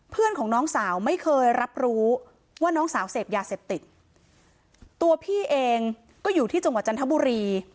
เพื่อนของน้องสาวไม่เคยรับรู้ว่าน้องสาวเสพยาเสพติดตัวพี่เองก็อยู่ที่จังหวัดจันทบุรี